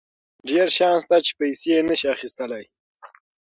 ډېر شیان شته چې پیسې یې نشي اخیستلی.